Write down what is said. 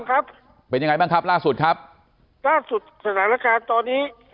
ครับเป็นยังไงบ้างครับล่าสุดครับล่าสุดสถานการณ์ตอนนี้